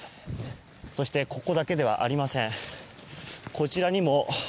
そしてここだけではありません。